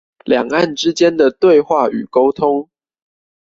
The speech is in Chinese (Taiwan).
兩岸之間的對話與溝通